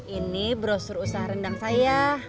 ini brosur usaha rendang saya